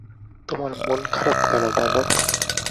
তোমার মন খারাপ কেন, বালক?